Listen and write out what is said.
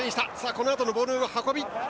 このあとのボールの運び。